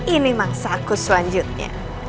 ini mangsa aku selanjutnya